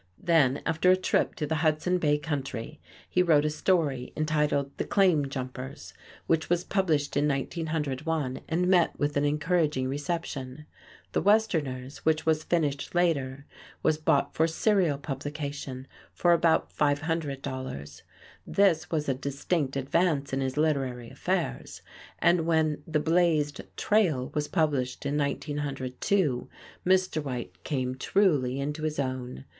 Then, after a trip to the Hudson Bay country, he wrote a story entitled "The Claim Jumpers," which was published in 1901 and met with an encouraging reception. "The Westerners," which was finished later, was bought for serial publication for about $500. This was a distinct advance in his literary affairs, and when "The Blazed Trail" was published in 1902, Mr. White came truly into his own.